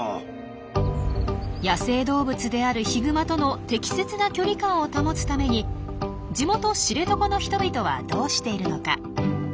野生動物であるヒグマとの適切な距離感を保つために地元知床の人々はどうしているのか？